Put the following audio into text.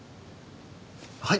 はい。